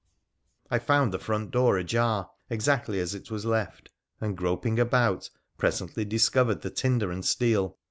I found the front door ajar, exactly as it was left, and, groping about, presently discovered the tinder and steel.